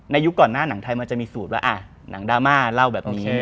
ยุคก่อนหน้าหนังไทยมันจะมีสูตรว่าหนังดราม่าเล่าแบบนี้